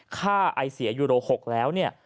ค่าไอเสียยูโร๖แล้ว